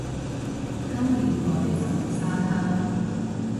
今年，我哋就去沙灘